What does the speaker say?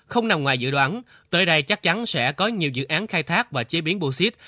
không nằm ngoài dự đoán tới đây chắc chắn sẽ có nhiều dự án khai thác và chế biến bô xít